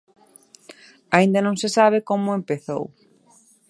Aínda non se sabe como empezou.